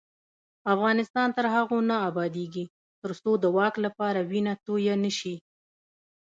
افغانستان تر هغو نه ابادیږي، ترڅو د واک لپاره وینه تویه نشي.